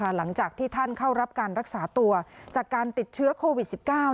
หลังจากที่ท่านเข้ารับการรักษาตัวจากการติดเชื้อโควิด๑๙